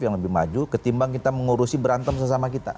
yang lebih maju ketimbang kita mengurusi berantem sesama kita